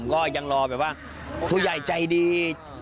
ก็ยังรอแบบว่าผู้ใหญ่ใจดี